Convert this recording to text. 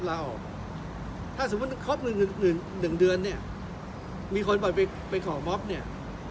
ถ้าสมมุติครบหนึ่งหนึ่องเดือนเนี่ยมีคนบ่อยไปไปขอบบเนี่ย